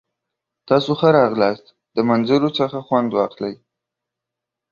تاسو ښه راغلاست. د منظرو څخه خوند واخلئ!